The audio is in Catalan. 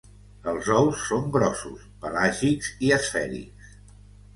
Els ous són grossos, pelàgics i esfèrics.